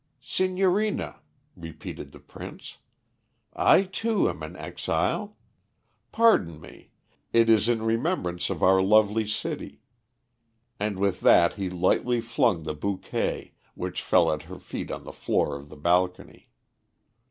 "Signorina," repeated the Prince, "I, too, am an exile. Pardon me. It is in remembrance of our lovely city;" and with that he lightly flung the bouquet, which fell at her feet on the floor of the balcony.